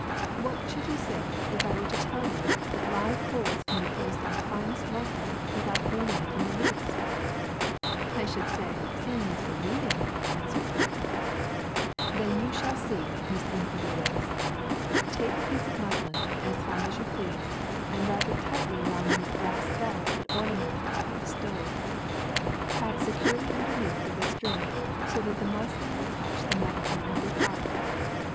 What should you say if I were to tell you that live coals can be placed on the finest muslin Avithout burning it in the least?" I should say, 'Seeing is believing,' " answered Claire. CALICO 63 ^^Then you shall see, Miss Incredulous. Take a piece of muslin, as fine as you please, and wrap it tightly around one of the brass balls that ornament the top of the stove. Tie it securely underneath with a string so that the muslin will touch the metal in every part.